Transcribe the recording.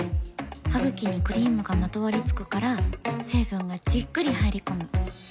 ハグキにクリームがまとわりつくから成分がじっくり入り込む。